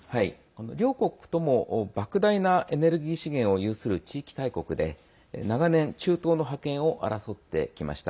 両国ともばく大なエネルギー資源を有する地域大国で長年、中東の覇権を争ってきました。